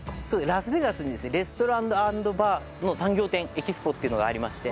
ラスベガスにですねレストラン＆バーの産業展エキスポっていうのがありまして。